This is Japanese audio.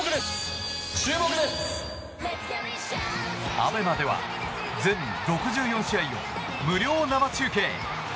ＡＢＥＭＡでは全６４試合を無料生中継。